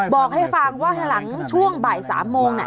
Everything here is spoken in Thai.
บอกให้ฟังว่าหลังช่วงบ่าย๓โมง